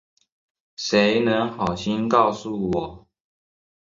谁能好心告诉我